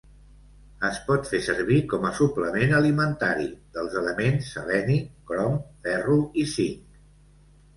Es pot fer servir com a suplement alimentari dels elements seleni, crom, ferro i zinc.